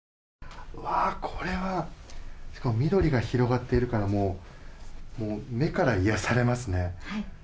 これは、緑が広がっているから目から癒やされますね。